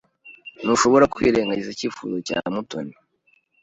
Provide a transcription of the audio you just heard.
Ntushobora kwirengagiza icyifuzo cya Mutoni.